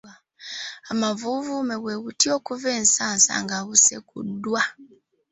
Amavuuvume bwe buti okuva ensansa nga busekuddwa.